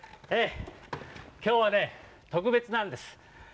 きょうはねとくべつなんです。